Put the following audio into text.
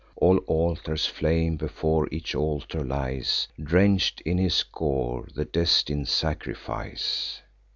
All altars flame: before each altar lies, Drench'd in his gore, the destin'd sacrifice.